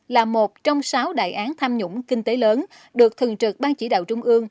là một trong sáu đại án tham nhũng kinh tế lớn được thường trực ban chỉ đạo trung ương